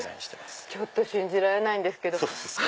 ちょっと信じられないんですけど。